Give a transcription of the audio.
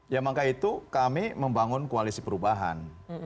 ya maka itu kami membangun koalisi perubahan